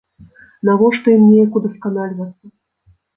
Навошта ім неяк удасканальвацца?